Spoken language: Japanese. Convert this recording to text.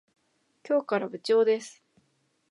今日から部長です。